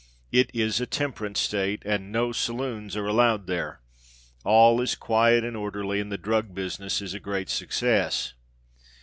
It is a temperance state and no saloons are allowed there. All is quiet and orderly, and the drug business is a great success.